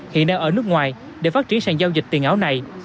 hiện đang ở nước ngoài để phát triển sàn giao dịch tiền ảo này